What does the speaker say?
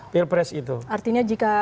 pilpres itu artinya jika